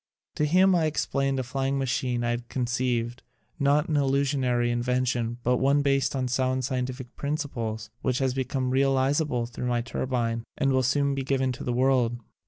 To him I explained a flying machine I had conceived, not an illu sionary invention, but one based on sound, scientific principles, which has become real izable thru my turbine and will soon be given to the world.